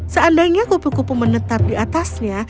seandainya kupu kupu menetap di atasnya